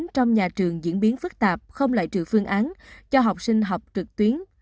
trong nhà trường diễn biến phức tạp không loại trừ phương án cho học sinh học trực tuyến